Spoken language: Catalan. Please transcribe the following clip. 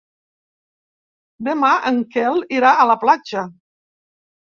Demà en Quel irà a la platja.